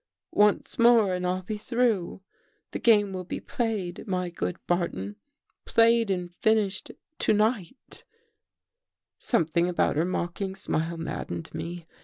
'Once more and I'll be, through. The game will be played, my good Barton — played and finished to night' " Something about her mocking smile maddened me.